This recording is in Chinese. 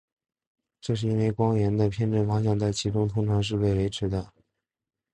这是因为光源的偏振方向在其中通常是被维持的。